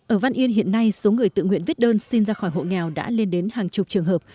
ở văn yên hiện nay số người tự nguyện viết đơn xin ra khỏi hộ nghèo đã lên đến hàng chục trường hợp